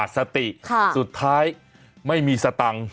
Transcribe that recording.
สติสุดท้ายไม่มีสตังค์